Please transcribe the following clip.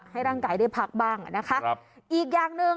ให้ร่างกายได้พักบ้างอ่ะนะคะครับอีกอย่างหนึ่ง